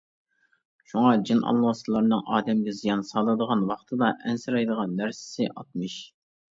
شۇڭا جىن-ئالۋاستىلارنىڭ ئادەمگە زىيان سالىدىغان ۋاقتىدا ئەنسىرەيدىغان نەرسىسى ئاتمىش.